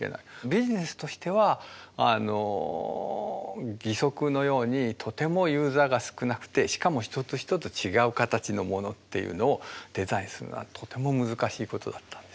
ビジネスとしてはあの義足のようにとてもユーザーが少なくてしかも一つ一つ違う形のものっていうのをデザインするのはとても難しいことだったんです。